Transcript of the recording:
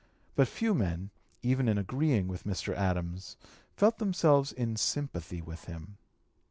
But few men, even in agreeing with Mr. Adams, felt themselves in sympathy with him.